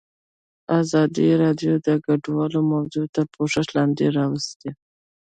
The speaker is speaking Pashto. ازادي راډیو د کډوال موضوع تر پوښښ لاندې راوستې.